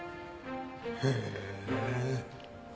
へえ。